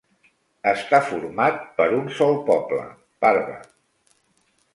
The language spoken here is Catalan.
Està format per un sol poble, Parva.